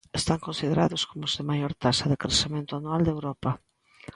Están considerados como os de maior taxa de crecemento anual de Europa.